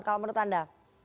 kalau menurut anda